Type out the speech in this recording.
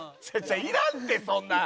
いらんってそんなん！